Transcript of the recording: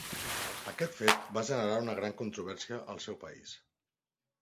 Aquest fet va generar una gran controvèrsia al seu país.